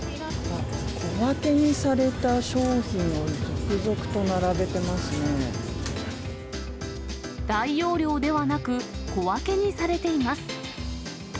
小分けにされた商品を続々と大容量ではなく、小分けにされています。